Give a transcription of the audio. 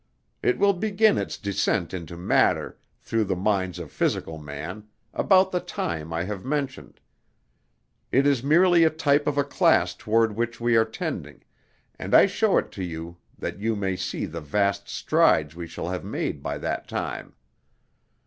It will begin its descent into matter, through the minds of physical man, about the time I have mentioned. It is merely a type of a class toward which we are tending, and I show it to you that you may see the vast strides we shall have made by that time.